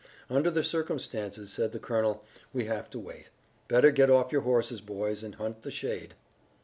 "Under the circumstances," said the colonel, "we have to wait. Better get off your horses, boys, and hunt the shade."